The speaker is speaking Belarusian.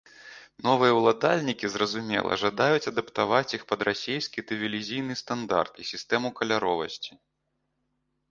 Новыя ўладальнікі, зразумела, жадаюць адаптаваць іх пад расейскі тэлевізійны стандарт і сістэму каляровасці.